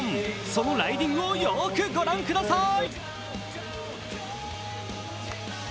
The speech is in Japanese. そのライディングをよーく御覧ください。